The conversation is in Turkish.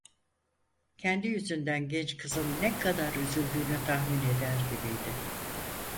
Kendi yüzünden genç kızın ne kadar üzüldüğünü tahmin eder gibiydi.